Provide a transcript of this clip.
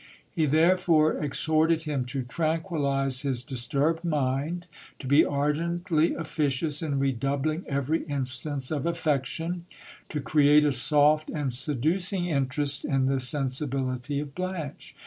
He therefore exhorted him to tranquillize his disturbed mind ; to be ardently officious in redoubling every instance of affection ; to create a soft and seducing interest in the sensibility of Blanche.